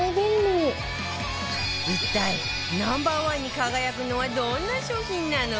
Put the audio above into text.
一体 Ｎｏ．１ に輝くのはどんな商品なのか？